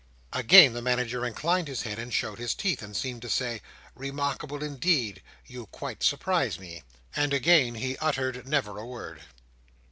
Again the Manager inclined his head and showed his teeth, and seemed to say, "Remarkable indeed! You quite surprise me!" And again he uttered never a word.